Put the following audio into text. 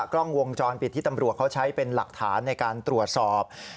กล้องวงจรปิดที่ตำรวจเขาใช้เป็นหลักฐานในการตรวจสอบ